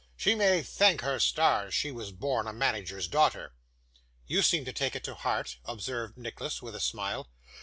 She may thank her stars she was born a manager's daughter.' 'You seem to take it to heart,' observed Nicholas, with a smile.